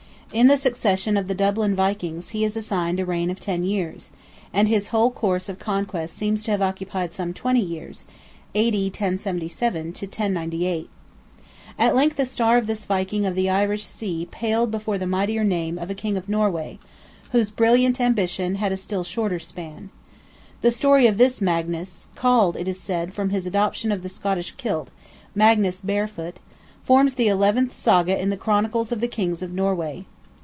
In the succession of the Dublin Vikings he is assigned a reign of ten years, and his whole course of conquest seems to have occupied some twenty years (A.D. 1077 to 1098). At length the star of this Viking of the Irish sea paled before the mightier name of a King of Norway, whose more brilliant ambition had a still shorter span. The story of this Magnus (called, it is said, from his adoption of the Scottish kilt, Magnus Barefoot) forms the eleventh Saga in "the Chronicles of the Kings of Norway."